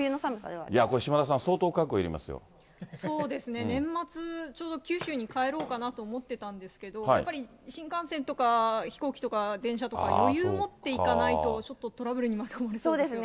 島田さん、相当覚悟いりますそうですね、年末、ちょうど九州に帰ろうかなと思ってたんですけど、やっぱり新幹線とか、飛行機とか電車とか、余裕もっていかないとちょっとトラブルに巻き込まれそうですよね。